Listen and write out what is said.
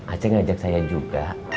aceh ngajak saya juga